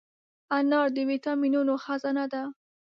انار د ویټامینونو خزانه ده.